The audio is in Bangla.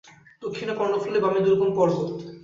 দক্ষিণে কর্ণফুলি, বামে দুর্গম পর্বত।